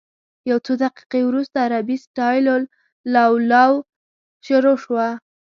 یو څو دقیقې وروسته عربي سټایل لللووللوو شروع شوه.